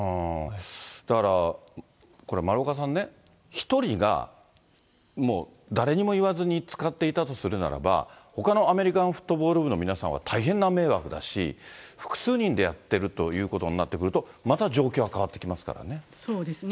だからこれ、丸岡さんね、１人がもう誰にも言わずに使っていたとするならば、ほかのアメリカンフットボール部の皆さんは大変な迷惑だし、複数人でやってるということになってくると、また状況は変わってそうですね。